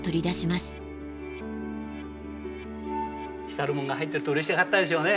光るもんが入ってるとうれしかったでしょうね